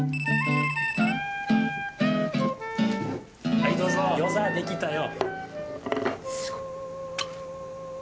はいどうぞ餃子できたよ。